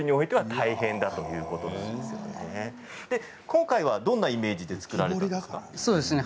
今回はどんなイメージで作られたんですか。